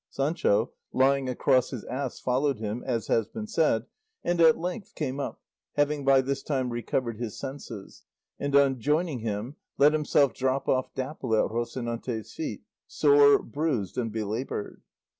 Sancho, lying across his ass, followed him, as has been said, and at length came up, having by this time recovered his senses, and on joining him let himself drop off Dapple at Rocinante's feet, sore, bruised, and belaboured.